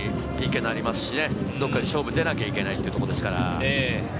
どこかで勝負に出なきゃいけないというところですから。